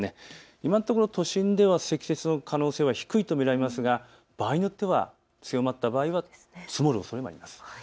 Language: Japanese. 今のところ都心では積雪の可能性は低いと見られますが場合によっては、強まった場合は積もるおそれもあります。